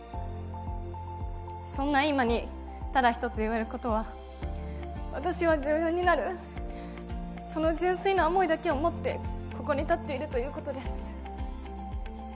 そんな今に、ただ一つ言えることは私は女優になる、その純粋な思いだけを持ってここに立っているということです。